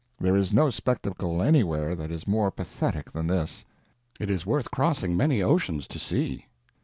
There is no spectacle anywhere that is more pathetic than this. It is worth crossing many oceans to see.